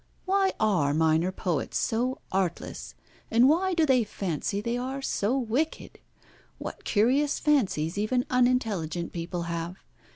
Why are minor poets so artless, and why do they fancy they are so wicked? What curious fancies even unintelligent people have.